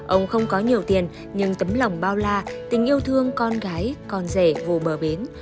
ông không có nhiều tiền nhưng tấm lòng bao la tình yêu thương con gái con rẻ vô bờ biến